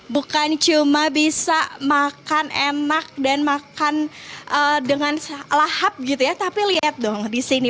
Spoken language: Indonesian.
bukan cuma bisa makan enak dan makan dengan lahap gitu ya tapi lihat dong di sini